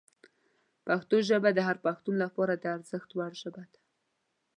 پښتو ژبه د هر پښتون لپاره د ارزښت وړ ژبه ده.